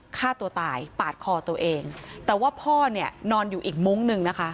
ฆ่าตัวตายปาดคอตัวเองแต่ว่าพ่อเนี่ยนอนอยู่อีกมุ้งหนึ่งนะคะ